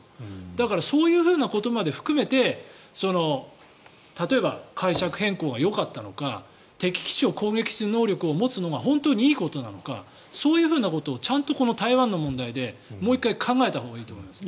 だからそういうことまで含めて例えば解釈変更がよかったのか敵基地を攻撃する能力を持つのが本当にいいことなのかそういうことをちゃんとこの台湾の問題でもう１回考えたほうがいいと思います。